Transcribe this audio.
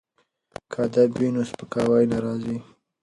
که ادب وي نو سپکاوی نه راځي.